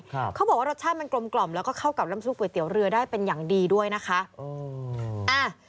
เขาบอกว่ารสชาติมันกลมกล่อมแล้วก็เข้ากับน้ำซุปก๋วยเตี๋ยวเรือได้เป็นอย่างดีด้วยนะคะอืมอ่า